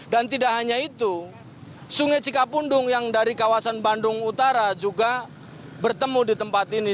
dan tidak hanya itu sungai cikapundung yang dari kawasan bandung utara juga bertemu di tempat ini